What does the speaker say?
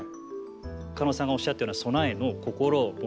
狩野さんがおっしゃったような備えの心物